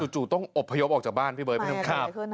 จู่ต้องอบพยพออกจากบ้านพี่เบ้ยพี่คุณผู้ชมครับ